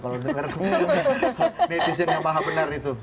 kalau dengar netizen yang maha benar itu